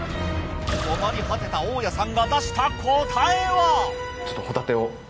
困り果てた大矢さんが出した答えは。